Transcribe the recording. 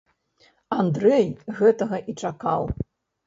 Андрэй гэтага і чакаў.